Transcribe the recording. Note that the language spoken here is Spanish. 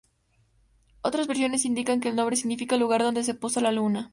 Otras versiones indican que el nombre significa "lugar donde se posa la luna".